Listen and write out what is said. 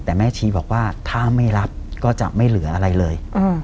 แต่แม่ชีบอกว่าถ้าไม่รับก็จะไม่เหลืออะไรเลย